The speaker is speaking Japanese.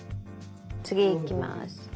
次いきます。